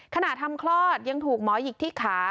ทำคลอดยังถูกหมอหยิกที่ขา